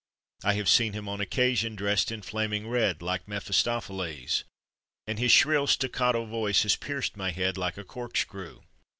I have seen him on occasion dressed in flaming red, like Mephistopheles, and his shrill staccato voice has pierced my head like a corkscrew.